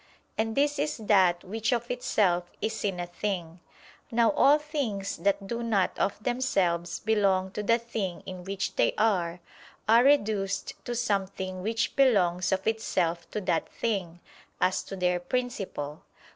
And this is that which of itself is in a thing. Now all things that do not of themselves belong to the thing in which they are, are reduced to something which belongs of itself to that thing, as to their principle.